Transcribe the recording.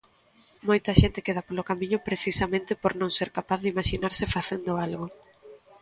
Moita xente queda polo camiño precisamente por non ser capaz de imaxinarse facendo algo.